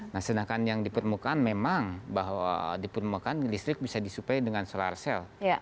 nah sedangkan yang di permukaan memang bahwa di permukaan listrik bisa disuplai dengan solar cell